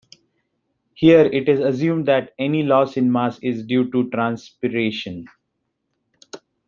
Here it is assumed that any loss in mass is due to transpiration.